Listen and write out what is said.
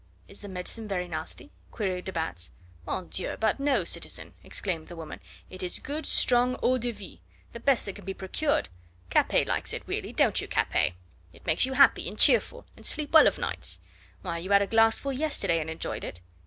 "Is the medicine very nasty?" queried de Batz. "Mon Dieu! but no, citizen," exclaimed the woman, "it is good strong eau de vie, the best that can be procured. Capet likes it really don't you, Capet? It makes you happy and cheerful, and sleep well of nights. Why, you had a glassful yesterday and enjoyed it.